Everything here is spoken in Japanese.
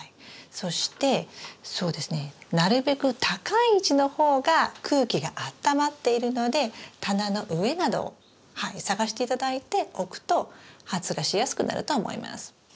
そしてそうですねなるべく高い位置の方が空気があったまっているので棚の上などを探して頂いて置くと発芽しやすくなると思います。